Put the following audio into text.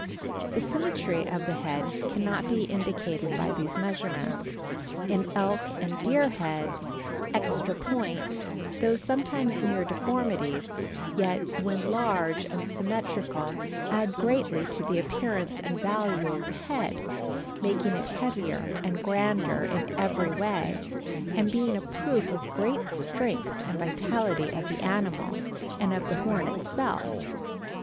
The symmetry of the head cannot be indicated by these measurements. In elk and deer heads, extra points, though sometimes mere deformities, yet when large and symmetrical add greatly to the appearance and value of the head, making it heavier and grander in every way, and being a proof of great strength and vitality of the animal and of the horn itself.